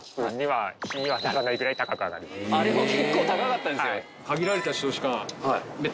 あれも結構高かったですよ。